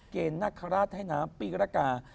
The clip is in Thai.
เกรนนักฆราชให้น้ำปีรกา